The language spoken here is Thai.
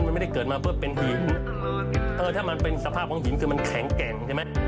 มันไม่ได้เกิดมาเพื่อเป็นหินเออถ้ามันเป็นสภาพของหินคือมันแข็งแกร่งใช่ไหม